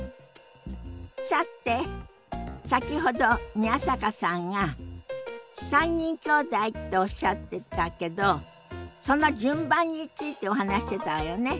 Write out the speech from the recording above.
さて先ほど宮坂さんが３人きょうだいっておっしゃってたけどその順番についてお話ししてたわよね。